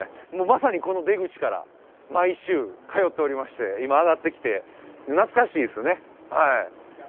もうまさにこの出口から毎週通っておりまして今上がってきて懐かしいですよね